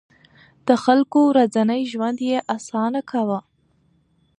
د خلکو ورځنی ژوند يې اسانه کاوه.